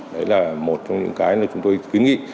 đấy là một trong những cái mà chúng tôi kiến nghị